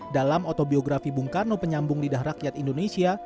dalam autobiografi bung karno penyambung lidah rakyat indonesia